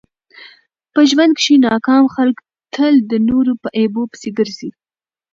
په ژوند کښي ناکام خلک تل د نور په عیبو پيسي ګرځي.